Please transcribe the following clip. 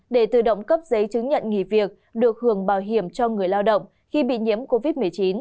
để tự động cấp giấy chứng nhận nghỉ việc được hưởng bảo hiểm cho người lao động khi bị nhiễm covid một mươi chín